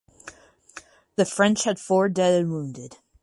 The French had four dead and wounded.